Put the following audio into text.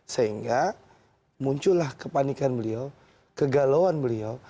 sehingga muncullah kepanikan beliau kegalauan beliau